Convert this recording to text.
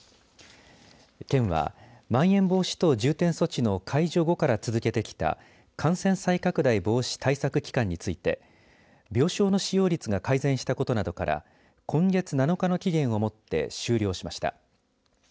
県は、まん延防止等重点措置の解除後から続けてきた感染再拡大防止対策期間について病床の使用率が改善したことなどから今月７日の期限をもって終了しました。